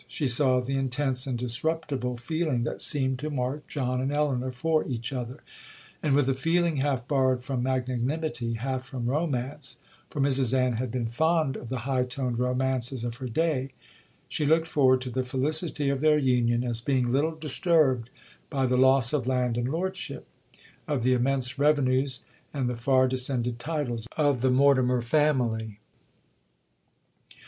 She saw the intense and disruptable feeling that seemed to mark John and Elinor for each other; and, with a feeling half borrowed from magnanimity, half from romance, (for Mrs Ann had been fond of the high toned romances of her day), she looked forward to the felicity of their union as being little disturbed by the loss of land and lordship,—of the immense revenues,—and the far descended titles of the Mortimer family.